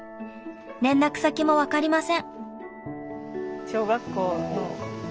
連絡先も分かりません。